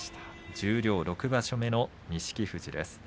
十両６場所目の錦富士です。